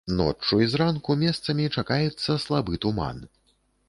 Ноччу і зранку месцамі чакаецца слабы туман.